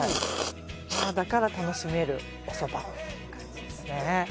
今だから楽しめるおそばですね。